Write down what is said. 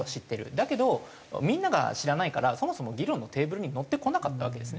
だけどみんなが知らないからそもそも議論のテーブルにのってこなかったわけですね。